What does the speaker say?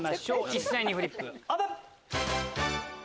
一斉にフリップオープン！